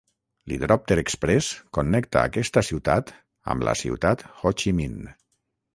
L'hidròpter exprés connecta aquesta ciutat amb la Ciutat Ho Chi Minh.